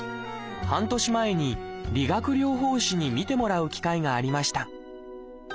半年前に理学療法士に診てもらう機会がありました。